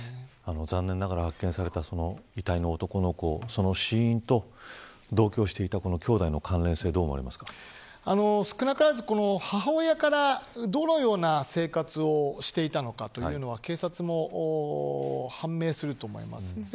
残念ながら、発見された遺体の男の子のその死因と同居していたきょうだいの関連性は少なからず母親からどのような生活をしていたのかというのは、警察も判明すると思います。